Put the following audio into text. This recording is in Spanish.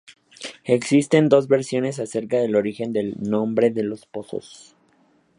Existen dos versiones acerca del origen del nombre Los Pozos.